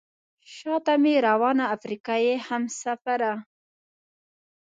شاته مې روانه افریقایي همسفره.